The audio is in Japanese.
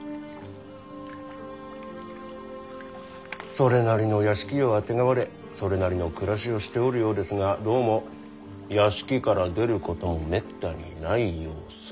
それなりの屋敷をあてがわれそれなりの暮らしをしておるようですがどうも屋敷から出ることもめったにない様子。